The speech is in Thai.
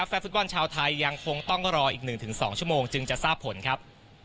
พิจารณาฝ่ายฟุตบอลชาวไทยยังคงต้องรออีกหนึ่งถึงสองชั่วโมงจึงจะทราบผลครับ